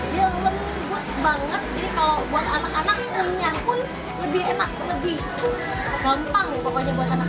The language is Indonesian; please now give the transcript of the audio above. dia lembut banget jadi kalau buat anak anak punya pun lebih enak lebih